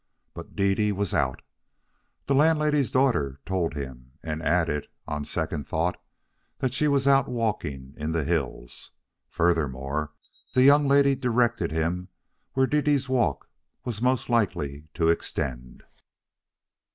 But Dede was out, the landlady's daughter told him, and added, on second thought, that she was out walking in the hills. Furthermore, the young lady directed him where Dede's walk was most likely to extend.